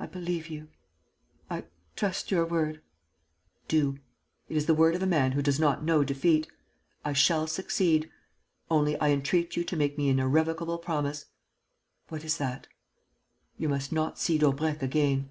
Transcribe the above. "I believe you.... I trust your word." "Do. It is the word of a man who does not know defeat. I shall succeed. Only, I entreat you to make me an irrevocable promise." "What is that?" "You must not see Daubrecq again."